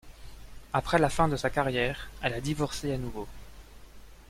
Après la fin de sa carrière, elle a divorcé à nouveau.